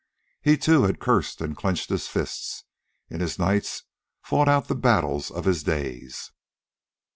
He, too, had cursed and clenched his fists, in his nights fought out the battles of his days.